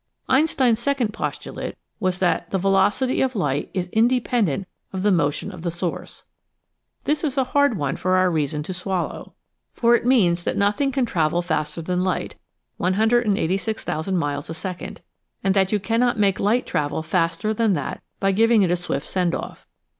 Einstein's second postulate was that the velocity of light is independent of the motion of the source. This is a hard one for our reason to swallow, for it means 14 EASY LESSONS IN EINSTEIN that nothing can travel faster than light, 186,000 miles a second, and that you cannot make light travel faster than that by giving it a swift send off.